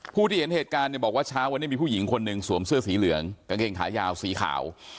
ผู้ที่เห็นเหตุการณ์เนี่ยบอกว่าเช้าวันนี้มีผู้หญิงคนหนึ่งสวมเสื้อสีเหลืองกางเกงขายาวสีขาว